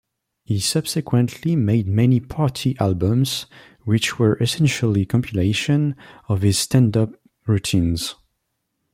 He subsequently made many "party albums," which were essentially compilations of his stand-up routines.